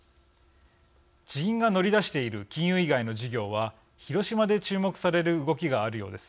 地銀が乗り出している金融以外の事業は広島で注目される動きがあるようです。